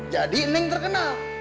jadi neng terkenal